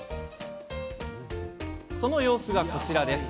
その様子がこちらです。